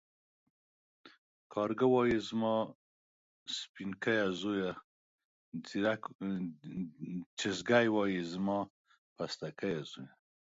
کارگه وايي زما سپينکيه زويه ، ځېږگى وايي زما پستکيه زويه.